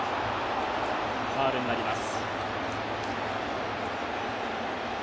ファウルになります。